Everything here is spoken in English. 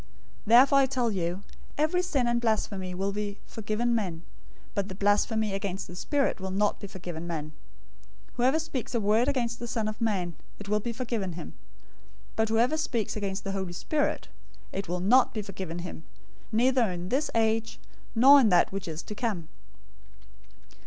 012:031 Therefore I tell you, every sin and blasphemy will be forgiven men, but the blasphemy against the Spirit will not be forgiven men. 012:032 Whoever speaks a word against the Son of Man, it will be forgiven him; but whoever speaks against the Holy Spirit, it will not be forgiven him, neither in this age, nor in that which is to come.